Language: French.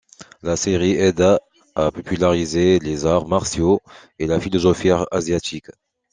La série aida à populariser les arts martiaux et la philosophie asiatique.